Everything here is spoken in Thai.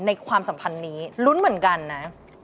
ความสัมพันธ์นี้ลุ้นเหมือนกันนะ